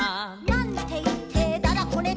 「なんていってだだこねた？」